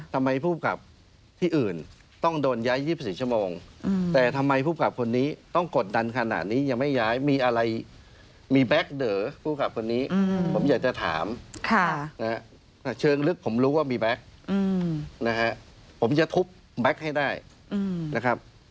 เฉิงลึกผมรู้ว่ามีแบ็คนะครับผมจะทูบแบ็คให้ได้นะครับ